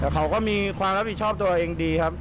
แต่เขาก็มีความรับผิดชอบตัวเองดีครับ